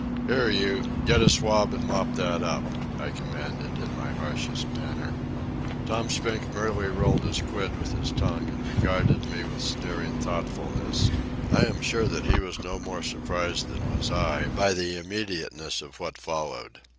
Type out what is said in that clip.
"Here, you, get a swab and mop that up," I commanded in my harshest manner. Tom Spink merely rolled his quid with his tongue and regarded me with sneering thoughtfulness. I am sure he was no more surprised than was I by the immediateness of what followed.